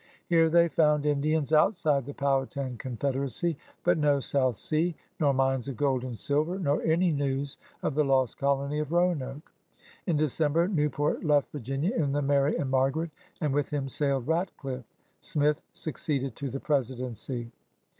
Here they found Indians outside the Powhatan Confederacy, but no South Sea, nor mines of gold and silver, nor any news of the lost colony of Roanoke. In De cember Newport left Virginia in the Mary and Margaret^ and with him sailed Ratdiffe. Smith succeeded to the presidency.